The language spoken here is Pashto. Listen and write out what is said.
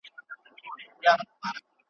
د زلمیو توري څڼي به تاوده کړي محفلونه ,